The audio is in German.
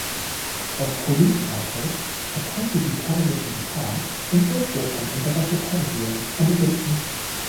Auch Polykrates erkannte die persische Gefahr und wusste vom Interesse Persiens an Ägypten.